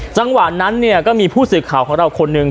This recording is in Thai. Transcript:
จังหวะนั้นเนี่ยก็มีผู้สื่อข่าวของเราคนหนึ่ง